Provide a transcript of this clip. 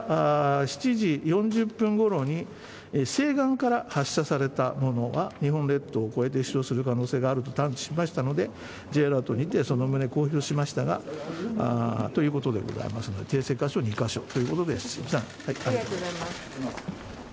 ７時４０分ごろに西岸から発射されたものは日本列島を飛翔する可能性があると探知したのでＪアラートにて、その旨を公表したということでございますが訂正箇所２カ所です。